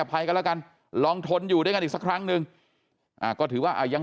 ภัยกันแล้วกันลองทนอยู่ด้วยกันอีกสักครั้งนึงอ่าก็ถือว่ายัง